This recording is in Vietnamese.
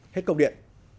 hết công điện